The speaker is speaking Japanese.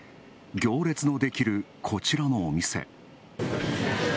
行列のできる、こちらのお店。